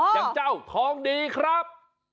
อย่างเจ้าทองดีครับ